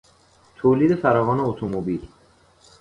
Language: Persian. تولید فراوان اتومبیل